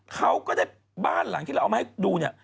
เขาก็ได้บ้านหลังที่เราเอามาให้ดูเนี่ย